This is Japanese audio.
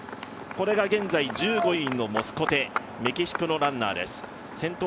これが現在１５位のモスコテメキシコのランナーです。